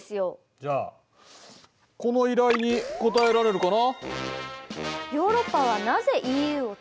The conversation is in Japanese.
じゃあこの依頼に答えられるかな？